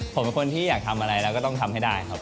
ผมเป็นคนที่อยากทำอะไรเราก็ต้องทำให้ได้ครับ